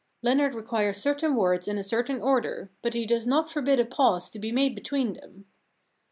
Leonard requires certain words in a certain order, but he does not forbid a pause to be made between them.